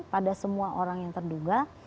pada semua orang yang terduga